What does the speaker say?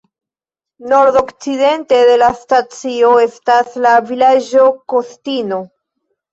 Nordokcidente de la stacio estas la vilaĝo Kostino.